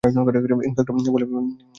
Inspector এলে আমাকে জানাবে।